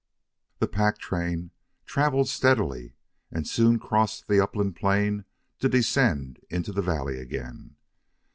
The pack train traveled steadily and soon crossed the upland plain to descend into the valley again.